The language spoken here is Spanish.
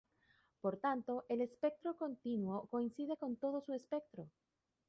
Por tanto, el espectro continuo coincide con todo su espectro.